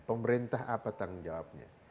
pemerintah apa tanggung jawabnya